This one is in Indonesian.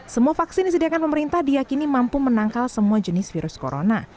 semua vaksin disediakan pemerintah diakini mampu menangkal semua jenis virus corona